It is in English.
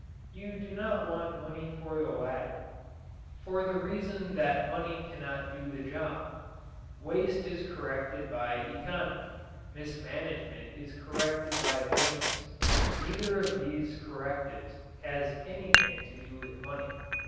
You do not want money for the latter for the reason that money cannot do the job. Waste is corrected by economy; mismanagement is corrected by brains. Neither of these correctives has anything to do with money.